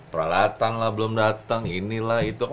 peralatan lah belum datang ini lah itu